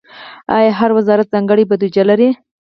آیا هر وزارت ځانګړې بودیجه لري؟